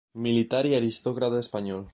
Militar y aristócrata español.